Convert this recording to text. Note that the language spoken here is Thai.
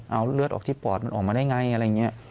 เอาเลือดออกที่ปอดมันออกมาได้ไง